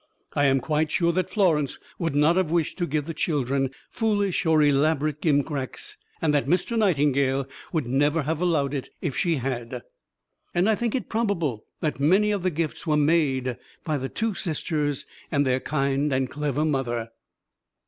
I am quite sure that Florence would not have wished to give the children foolish or elaborate gimcracks, and that Mr. Nightingale would never have allowed it if she had; and I think it probable that many of the gifts were made by the two sisters and their kind and clever mother.